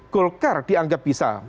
golkar dianggap bisa